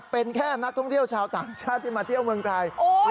เป็นแค่นักท่องเที่ยวชาวต่างชาติที่มาเที่ยวเมืองไทย